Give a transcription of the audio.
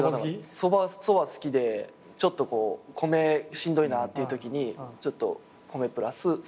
そば好きでちょっと米しんどいなっていうときにちょっと米プラスそばで。